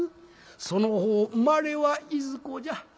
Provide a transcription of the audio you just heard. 「その方生まれはいずこじゃ？」。